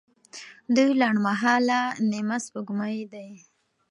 دوی لنډمهاله نیمه سپوږمۍ دي.